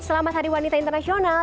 selamat hari wanita internasional